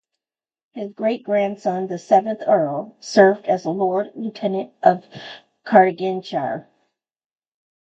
His great-grandson, the seventh Earl, served as Lord Lieutenant of Cardiganshire.